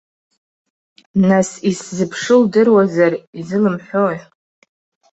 Нас, исзыԥшу лдыруазар изылымҳәои?